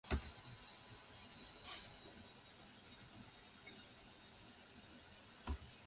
贝勒尼基要求她刚刚当上国王的兄弟托勒密三世到安条克城及扶助她儿子登基。